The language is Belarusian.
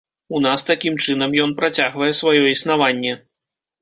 У нас такім чынам ён працягвае сваё існаванне.